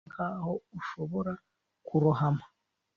kandi urumva nkaho ushobora kurohama